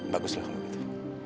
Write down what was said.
baguslah kalau begitu